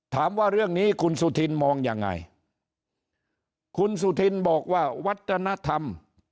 ถามว่าเรื่องนี้คุณสุธินมองยังไงคุณสุธินบอกว่าวัฒนธรรม